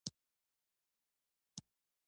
آیا د تیلو بیه لوړه ده؟